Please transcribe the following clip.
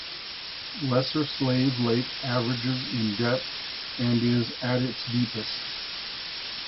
Lesser Slave Lake averages in depth and is at its deepest.